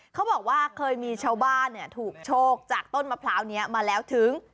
เขาบอกว่าเคยมีชาวบ้านถูกโชคจากต้นมะพร้าวนี้มาแล้วถึง